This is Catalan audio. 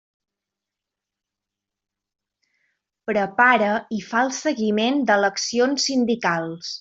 Prepara i fa el seguiment d'eleccions sindicals.